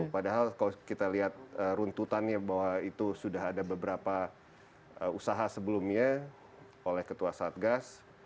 padahal kalau kita lihat runtutannya bahwa itu sudah ada beberapa usaha sebelumnya oleh ketua satgas